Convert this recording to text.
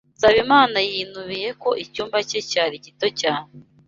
Nsabimana yinubiye ko icyumba cye cyari gito cyane.